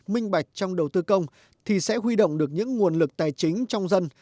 minh bạch trong đầu tư công thì sẽ huy động được những nguồn lực tài chính trong dân